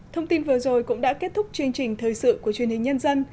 thông tin vừa rồi cũng đã kết thúc chương trình thời sự của truyền hình nhân dân